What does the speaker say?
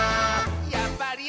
「やっぱり！